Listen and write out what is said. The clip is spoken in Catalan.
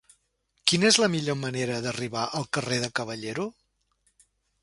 Quina és la millor manera d'arribar al carrer de Caballero?